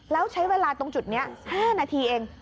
แล้วใช้เวลาตรงจุดนี้๕นาทีเอง